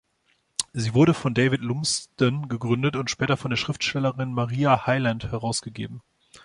Sie wurde von David Lumsden gegründet und später von der Schriftstellerin Maria Hyland herausgegeben.